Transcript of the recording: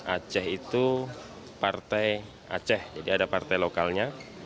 aceh itu partai aceh jadi ada partai lokalnya